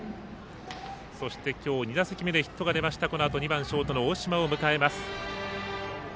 そして今日２打席目でヒットが出ましたショートの大島を迎えます。